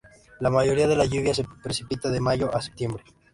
La mayoría de la lluvia se precipita de mayo a septiembre.